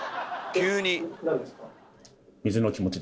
急に？